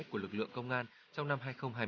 của lực lượng công an trong năm hai nghìn hai mươi ba